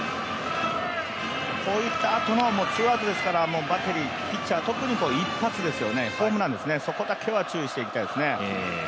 今ツーアウトですから、バッテリーピッチャー特に一発ですよね、ホームラン、そこだけは注意したいですよね。